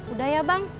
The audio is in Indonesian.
udah ya bang